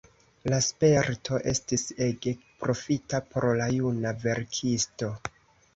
La sperto estis ege profita por la juna verkisto.